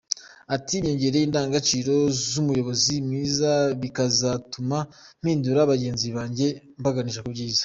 Ati “Binyongereye indangagaciro z’umuyobozi mwiza bikazatuma mpindura bagenzi banjye mbaganisha ku byiza.